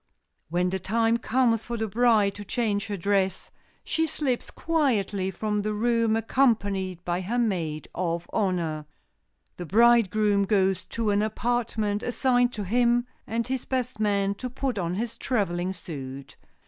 When the time comes for the bride to change her dress she slips quietly from the room, accompanied by her maid of honor. The bridegroom goes to an apartment assigned to him and his best man to put on his traveling suit.